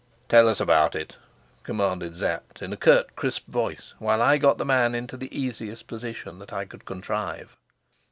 "Tell us about it," commanded Sapt in a curt, crisp voice while I got the man into the easiest position that I could contrive.